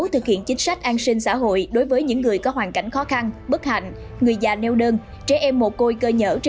thực hiện chính sách an sinh xã hội đối với những người có hoàn cảnh khó khăn bất hạnh